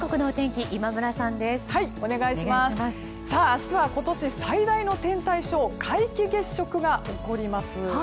明日は今年最大の天体ショー皆既月食が起こります。